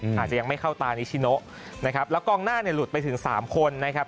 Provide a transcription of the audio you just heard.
อาจจะยังไม่เข้าตานิชิโนนะครับแล้วกองหน้าเนี่ยหลุดไปถึงสามคนนะครับ